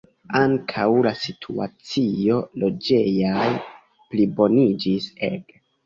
Ankaŭ la situacio loĝeja pliboniĝis ege.